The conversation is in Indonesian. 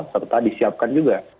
serta disiapkan juga